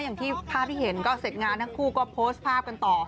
อย่างที่ภาพที่เห็นก็เสร็จงานทั้งคู่ก็โพสต์ภาพกันต่อ